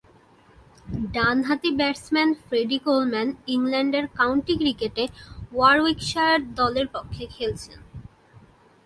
ডানহাতি batsman Freddie Coleman ইংল্যান্ডের county ক্রিকেটে ওয়ারউইকশায়ার দলের পক্ষে খেলছেন।